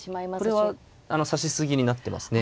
これは指し過ぎになってますね。